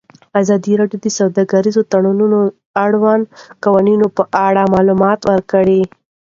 ازادي راډیو د سوداګریز تړونونه د اړونده قوانینو په اړه معلومات ورکړي.